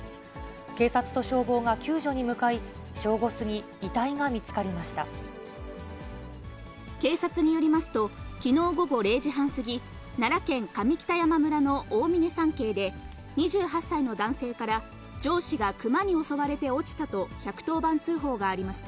警察と消防が救助に向かい、警察によりますと、きのう午後０時半過ぎ、奈良県上北山村の大峰山系で、２８歳の男性から、上司が熊に襲われて落ちたと、１１０番通報がありました。